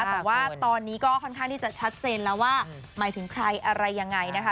แต่ว่าตอนนี้ก็ค่อนข้างที่จะชัดเจนแล้วว่าหมายถึงใครอะไรยังไงนะคะ